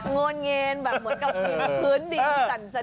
งอเงญแบบเหมือนกับบินพื้นดินสั่นสะเทือน